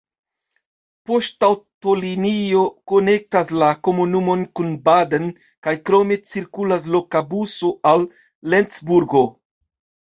Poŝtaŭtolinio konektas la komunumon kun Baden, kaj krome cirkulas loka buso al Lencburgo.